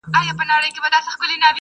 نه د عقل يې خبر د چا منله!!